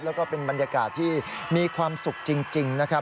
แล้วก็เป็นบรรยากาศที่มีความสุขจริงนะครับ